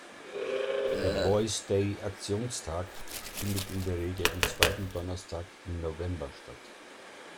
Der Boys’-Day-Aktionstag findet in der Regel am zweiten Donnerstag im November statt.